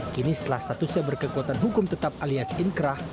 kini setelah statusnya berkekuatan hukum tetap alias inkrah